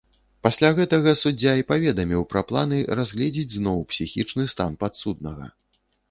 Пасля гэтага суддзя і паведаміў пра планы разгледзець зноў псіхічны стан падсуднага.